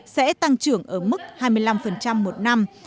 sẽ tăng trưởng ở mức hai mươi năm một năm